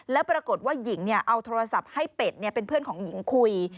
แล้วปรากฏว่าหญิงเอาโทรศัพท์ให้เป็ดเป็นเพื่อนของหญิงคุย